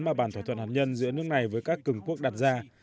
mà bản thỏa thuận hạt nhân giữa nước này với các cường quốc đặt ra